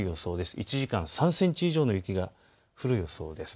１時間に３センチ以上の雪が降る予想です。